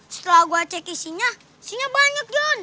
setelah gue cek isinya isinya banyak john